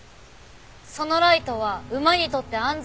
そのライトは馬にとって安全ですか？